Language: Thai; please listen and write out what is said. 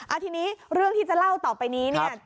เอาทีนี้เรื่องที่จะเล่าต่อไปนี้เนี่ย